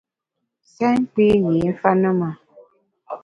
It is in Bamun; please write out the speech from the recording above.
Sèn nkpi yî mfa ne ma!